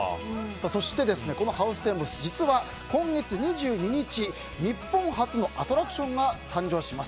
そして、ハウステンボス実は、今月２２日日本初のアトラクションが誕生します。